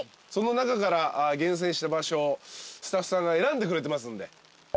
その中から厳選した場所スタッフさんが選んでくれてますんで。